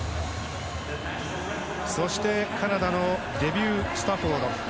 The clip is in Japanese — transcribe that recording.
そしてカナダのデビュー・スタフォード。